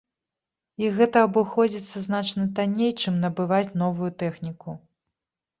І гэта абыходзіцца значна танней, чым набываць новую тэхніку.